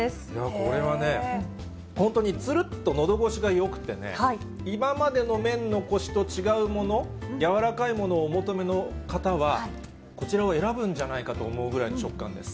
これはね、本当につるっとのど越しがよくてね、今までの麺のこしと違うもの、やわらかいものをお求めの方は、こちらを選ぶんじゃないかと思うぐらい食感です。